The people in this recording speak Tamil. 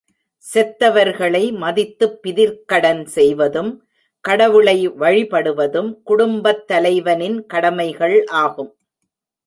செத்தவர்களை மதித்துப் பிதிர்க்கடன் செய்வதும், கடவுளை வழிபடுவதும் குடும்புத் தலைவனின் கடமைகள் ஆகும்.